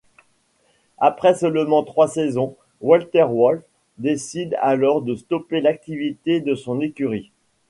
Après seulement trois saisons, Walter Wolf décide alors de stopper l'activité de son écurie.